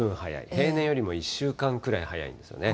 平年よりも１週間くらい早いんですよね。